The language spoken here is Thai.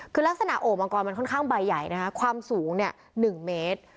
คือลักษณะโอบมังกรมันค่อนข้างใบใหญ่นะคะความสูงเนี่ยหนึ่งเมตร